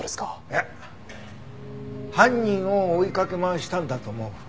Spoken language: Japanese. いや犯人を追いかけ回したんだと思う。